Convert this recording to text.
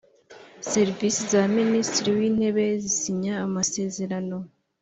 Serivisi za Minisitiri w’Intebe zisinya amasezerano